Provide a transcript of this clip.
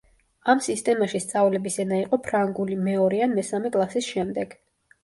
ამ სისტემაში სწავლების ენა იყო ფრანგული მეორე ან მესამე კლასის შემდეგ.